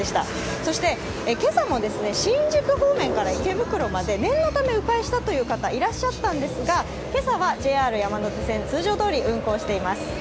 そして今朝も新宿方面から念のためう回したという方、いらっしゃったんですが、今朝はＪＲ山手線通常どおり運転しています。